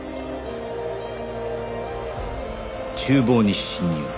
厨房に侵入